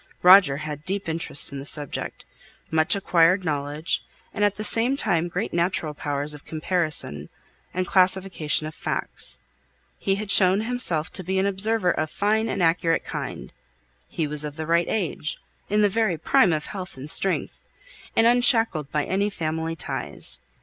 Roger had deep interest in the subject; much acquired knowledge, and at the same time, great natural powers of comparison, and classification of facts; he had shown himself to be an observer of a fine and accurate kind; he was of the right age, in the very prime of health and strength, and unshackled by any family ties.